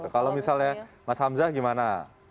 kalau misalnya mas hamzah gimana